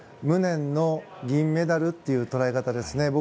無念の銀メダルという捉え方ですね。